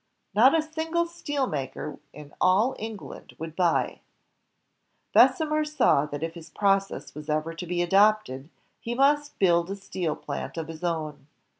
Not a single steel maker "ff^idsiaf. ia all England would Bessemer saw that if his process was ever to be adopted, he must build a steel plant of his own.